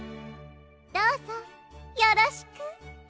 どうぞよろしく。